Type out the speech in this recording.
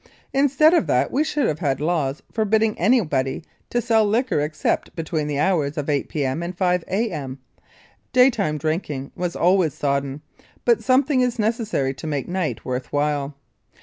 Instead of that we should have had laws forbidding anybody to sell liquor except between the hours of 8 P.M. and 5 A.M. Daytime drinking was always sodden, but something is necessary to make night worth while.